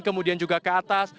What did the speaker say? kemudian juga ke atas